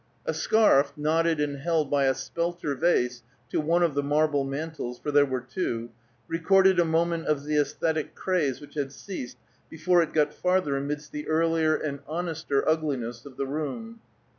A scarf, knotted and held by a spelter vase to one of the marble mantles, for there were two, recorded a moment of the æsthetic craze which had ceased before it got farther amidst the earlier and honester ugliness of the room.